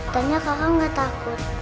ternyata kakak gak takut